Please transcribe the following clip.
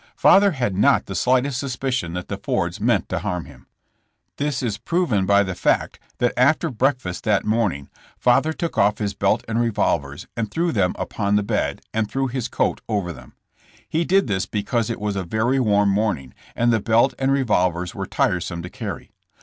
Father had not the slightest suspicion that the Fords meant to harm him. This is proven by the fact that after breakfast that morning father took off his belt and revolvers and threw them upon the bed and threw his coat over them. He did this because it was a very warm morn ing, and the belt and revolvers were tiresome to carry.